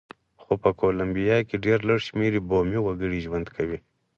خو په کولمبیا کې ډېر لږ شمېر بومي وګړي ژوند کوي.